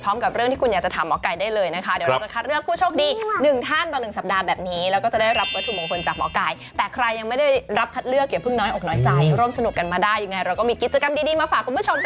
พร้อมกับเรื่องที่คุณอยากถามหมอไก่ได้เลยนะคะ